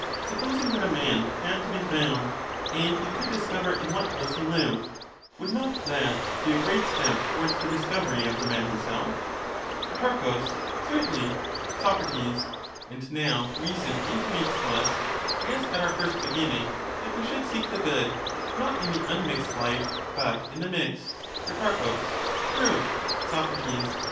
Supposing that a man had to be found, and you could discover in what house he lived, would not that be a great step towards the discovery of the man himself? Pro. Certainly. Soc. And now reason intimates to us, as at our first begin Reason ning, that we should seek the good, not in the unmixed life |^^'^^ but in the mixed. should look Pro. True. foritinthe Soc.